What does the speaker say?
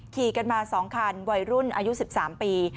ขี่กันมา๒คันวัยรุ่นอายุ๑๓ปี